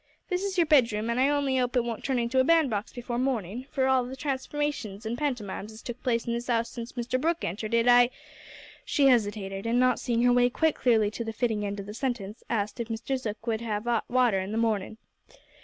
"This is your bedroom, and I only 'ope it won't turn into a band box before morning, for of all the transformations an' pantimimes as 'as took place in this 'ouse since Mr Brooke entered it, I " She hesitated, and, not seeing her way quite clearly to the fitting end of the sentence, asked if Mr Zook would 'ave 'ot water in the morning.